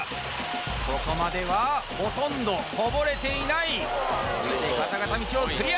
ここまではほとんどこぼれていないガタガタ道をクリア！